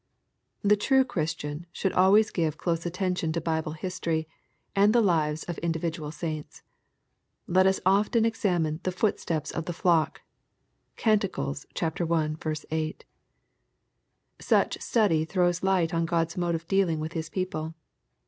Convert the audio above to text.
The true Christian should always give close attention to Bible history, and the lives of individual saints. Let us often examine the "footsteps of the flock." (Cant. i. 8.) Such study throws light on God's mode of dealing with His people.